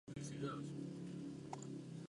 Hijo de Rafael Garmendia Rodríguez y Celsa Murrieta.